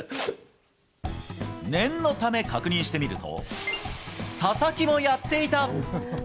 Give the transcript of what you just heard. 念のため、確認してみると、佐々木もやっていた。